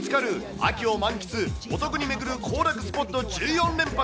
秋を満喫、お得にめぐる行楽スポット１４連発。